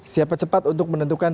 siapa cepat untuk menentukan